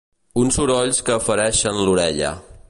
Uns sorolls que fereixen l'orella.